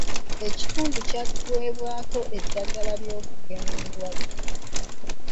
Ekitundu kyaggwebwako eddagala ly'okugema endwadde.